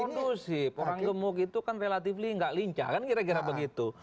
sekarang ada kondusi orang gemuk itu kan relatif gak lincah kan kira kira begitu